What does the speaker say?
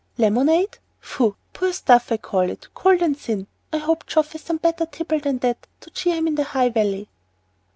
"Lemonade? phoo! Poor stuff I call it, cold and thin. I hope Geoff has some better tipple than that to cheer him in the High Valley."